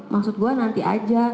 maksud gua nanti ada